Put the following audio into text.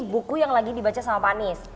buku yang lagi dibaca sama pak anies